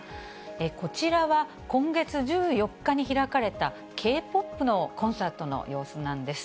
こちらは今月１４日に開かれたＫ−ＰＯＰのコンサートの様子なんです。